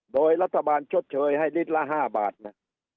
โดยรัฐบาลชดเชยให้ลิตรละ๕บาทนะ